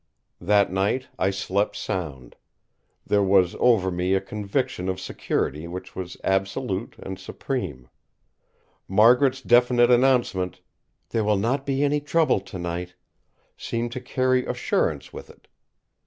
That night I slept sound. There was over me a conviction of security which was absolute and supreme. Margaret's definite announcement: "There will not be any trouble tonight!" seemed to carry assurance with it.